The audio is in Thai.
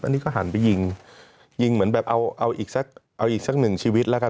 อันนี้ก็หันไปยิงยิงเหมือนแบบเอาเอาอีกสักเอาอีกสักหนึ่งชีวิตแล้วกัน